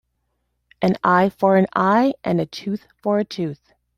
An eye for an eye and a tooth for a tooth.